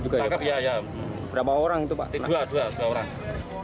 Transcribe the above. juga ya pak ya ya berapa orang itu berapa orang itu berapa orang itu berapa orang itu berapa orang